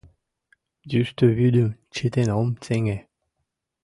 — Йӱштӧ вӱдым чытен ом сеҥе.